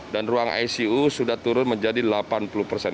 dan ruang icu sudah turun menjadi delapan puluh persen